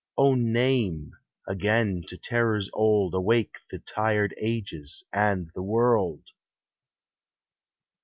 O name ! again to terrors old Awake the tired ages and. the world